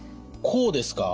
こうですか？